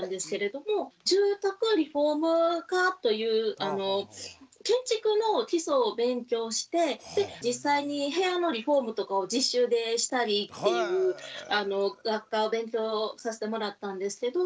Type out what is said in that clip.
住宅リフォーム科という建築の基礎を勉強して実際に部屋のリフォームとかを実習でしたりっていう学科を勉強させてもらったんですけど。